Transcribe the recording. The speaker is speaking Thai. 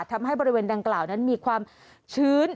ทำให้บริเวณดังกล่าวนั้นมีความชื้น